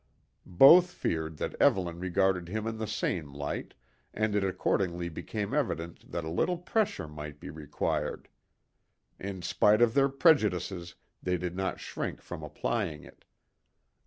Both feared that Evelyn regarded him in the same light, and it accordingly became evident that a little pressure might be required. In spite of their prejudices, they did not shrink from applying it.